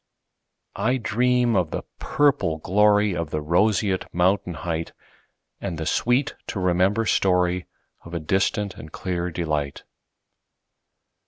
I dream of the purple gloryOf the roseate mountain heightAnd the sweet to remember storyOf a distant and clear delight.